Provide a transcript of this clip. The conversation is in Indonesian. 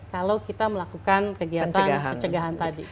kalau kita melakukan kegiatan pencegahan tadi